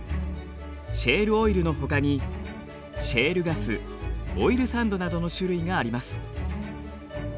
シェールオイルのほかにシェールガスオイルサンドなどの種類があります。